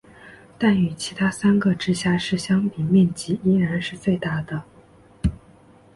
但与其他三个直辖市相比面积依然是最大的。